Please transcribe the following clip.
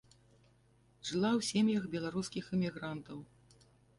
Жыла ў сем'ях беларускіх эмігрантаў.